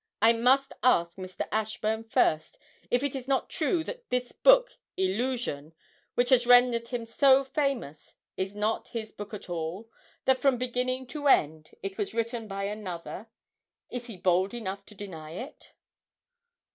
I must ask Mr. Ashburn first if it is not true that this book "Illusion," which has rendered him so famous, is not his book at all that from beginning to end it was written by another. Is he bold enough to deny it?'